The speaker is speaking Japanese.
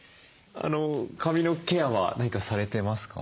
髪のケアは何かされてますか？